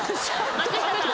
松下さん。